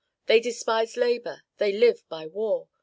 They despise labor, they live by war.